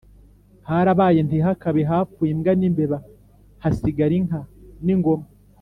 Harabaye ntihakabe, hapfuye imbwa n’imbeba hasigara inka n’ingoma